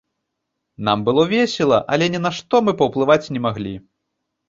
Нам было весела, але ні на што мы паўплываць не маглі.